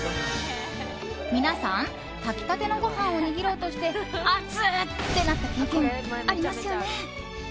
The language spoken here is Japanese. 皆さん炊きたてのご飯を握ろうとしてあつ！ってなった経験ありますよね。